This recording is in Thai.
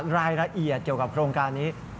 รายละเอียดเกี่ยวกับโครงการนี้